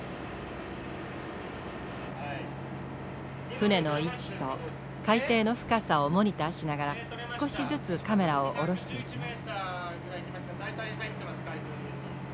船の位置と海底の深さをモニターしながら少しずつカメラを下ろしていきます。